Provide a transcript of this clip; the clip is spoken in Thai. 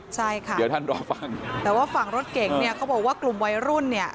ใช่ค่ะเดี๋ยวท่านรอฟังแต่ว่าฝั่งรถเก่งเนี่ยเขาบอกว่ากลุ่มวัยรุ่นเนี่ย